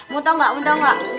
mau tau gak